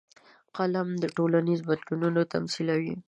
قلم د ټولنیز بدلون تمثیلوي